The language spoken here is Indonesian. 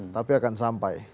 tapi akan sampai